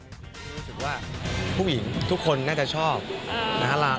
รู้สึกว่าผู้หญิงทุกคนน่าจะชอบนะฮะ